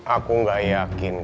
aku gak yakin